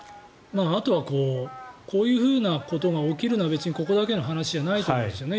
あとはこういうふうなことが起きるのは別にここだけの話ではないと思うんですよね